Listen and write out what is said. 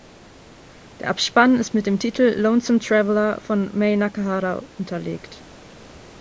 Der Abspann ist mit dem Titel "Lonesome Traveler" von Mai Nakahara unterlegt.